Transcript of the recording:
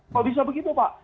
kok bisa begitu pak